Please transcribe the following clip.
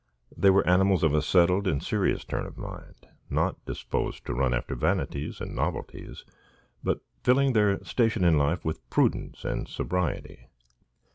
They were animals of a settled and serious turn of mind, not disposed to run after vanities and novelties, but filling their station in life with prudence and sobriety.